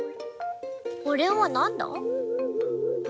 これはなんだ？